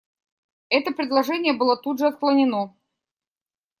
Это предложение было тут же отклонено.